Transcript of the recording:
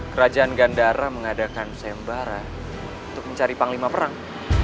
kerajaan gandara mengadakan sembara untuk mencari panglima perang